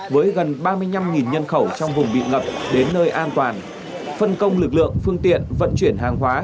với gần ba mươi năm nhân khẩu trong vùng bị ngập đến nơi an toàn phân công lực lượng phương tiện vận chuyển hàng hóa